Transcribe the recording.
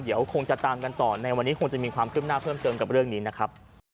เดี๋ยวคงจะตามกันต่อในวันนี้คงจะมีความขึ้นหน้าเพิ่มเติมกับเรื่องนี้นะครับ